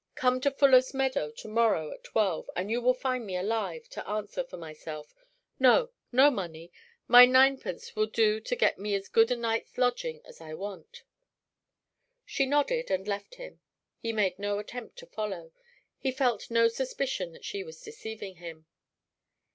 Come to Fuller's Meadow to morrow at twelve, and you will find me alive, to answer for myself No! no money. My ninepence will do to get me as good a night's lodging as I want." She nodded and left him. He made no attempt to follow he felt no suspicion that she was deceiving him.